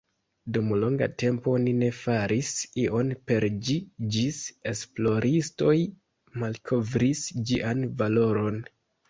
Dum longa tempo oni ne faris ion per ĝi ĝis esploristoj malkovris ĝian valoron.